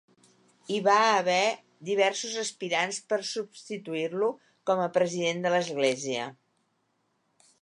Hi va haver diversos aspirants per substituir-lo com a president de l'església.